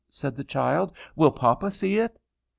said the child. "Will papa see it?"